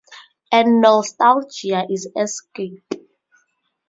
And nostalgia is escape.